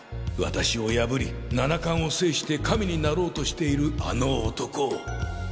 私を敗り七冠を制して神になろうとしているあの男を。